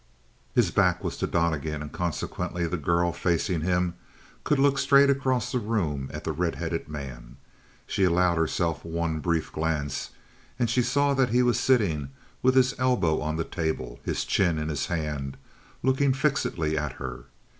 His back was to Donnegan, and consequently the girl, facing him, could look straight across the room at the red headed man. She allowed herself one brief glance, and she saw that he was sitting with his elbow on the table, his chin in his hand, looking fixedly at her.